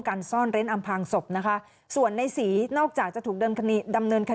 กลับไปตากินเล่าแล้วก็มีไหมล่ะ